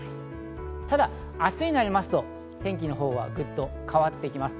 ただ明日になりますと、天気のほうはグッと変わっていきます。